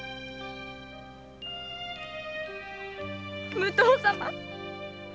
武藤様！